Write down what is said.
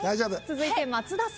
続いて松田さん。